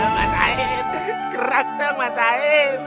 mas ait gerak dong mas ait